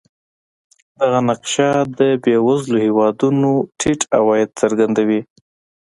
دغه نقشه د بېوزلو هېوادونو ټیټ عواید څرګندوي.